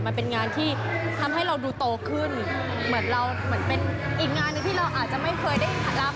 มันเป็นงานที่ทำให้เราดูโตขึ้นเหมือนเราเหมือนเป็นอีกงานหนึ่งที่เราอาจจะไม่เคยได้รับ